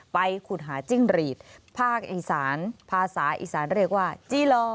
ขุดหาจิ้งหรีดภาคอีสานภาษาอีสานเรียกว่าจีลอ